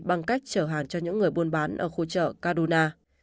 bằng cách chở hàng cho những người buôn bán ở khu chợ kaduna